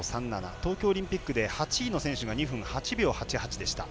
東京オリンピックで８位の選手が２分８秒８８でした。